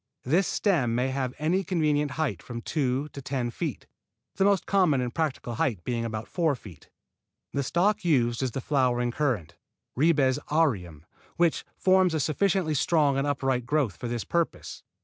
This stem may have any convenient height from two to ten feet, the most common and practical height being about four feet. The stock used is the flowering currant, Ribes aureum, which forms a sufficiently strong and upright growth for this purpose.